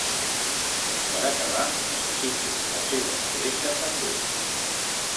Per acabar, necessito la seva adreça també.